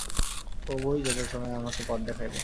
প্রভুই যথাসময়ে আমাকে পথ দেখাইবেন।